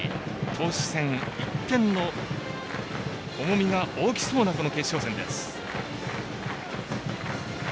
投手戦、１点の重みが大きそうなこの決勝戦です。